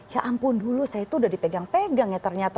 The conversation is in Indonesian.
ya ampun dulu saya itu udah dipegang pegang ya ternyata